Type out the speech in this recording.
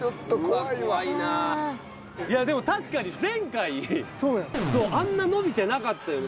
でも確かに前回あんな伸びてなかったよ。